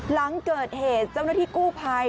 หลังเกิดเหตุเจ้าหน้าที่กู้ภัย